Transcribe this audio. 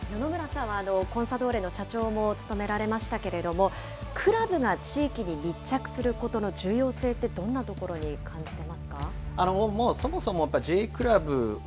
野々村さんはコンサドーレの社長も務められましたけれども、クラブが地域に密着することの重要性ってどんなところに感じてまもう、そもそもＪクラブは、